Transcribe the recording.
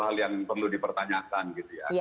hal yang perlu dipertanyakan gitu ya